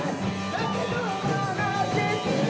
だけども話してよ」